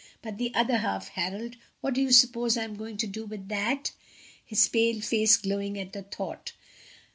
But the other half, Harold what do you suppose I am going to do with that?" his pale face glowing at the thought.